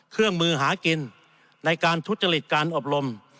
เครื่องมือหากินในการทุจริตการอบรม